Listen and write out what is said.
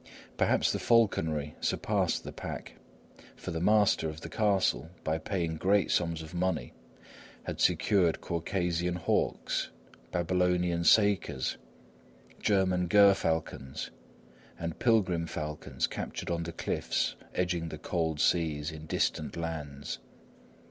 Perhaps the falconry surpassed the pack; for the master of the castle, by paying great sums of money, had secured Caucasian hawks, Babylonian sakers, German gerfalcons, and pilgrim falcons captured on the cliffs edging the cold seas, in distant lands.